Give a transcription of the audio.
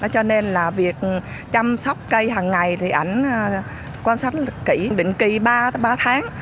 cho nên là việc chăm sóc cây hằng ngày thì ảnh quan sát kỹ định kỳ ba ba tháng